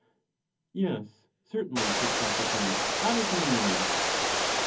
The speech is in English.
Yes, certainly, said Socrates, that is my meaning.